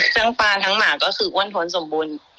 ปลาทั้งหมาก็คืออ้วนท้นสมบูรณ์